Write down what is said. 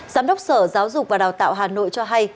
giám đốc sở giáo dục và đào tạo hà nội cho hay